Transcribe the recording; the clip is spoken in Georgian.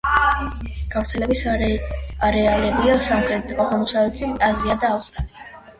გავრცელების არეალებია სამხრეთ-აღმოსავლეთი აზია და ავსტრალია.